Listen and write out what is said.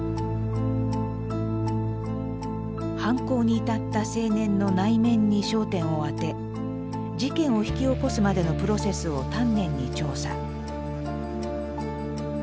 犯行に至った青年の内面に焦点を当て事件を引き起こすまでのプロセスを丹念に調査。